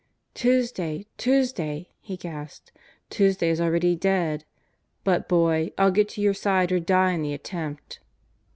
"Tuesday, Tuesday," he gasped. "Tuesday is already dead! But, boy, I'll get to your side or die in the attempt!"